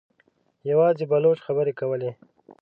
يواځې بلوڅ خبرې کولې.